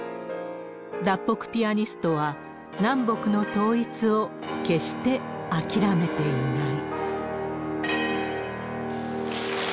脱北ピアニストは、南北の統一を決して諦めていない。